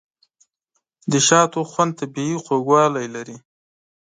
د شاتو خوند طبیعي خوږوالی لري.